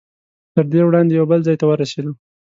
تر دې وړاندې یو بل ځای ته ورسېدو.